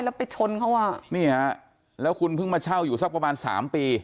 แล้วไปชนเขาอ่ะนี่ฮะแล้วคุณเพิ่งมาเช่าอยู่สักประมาณสามปี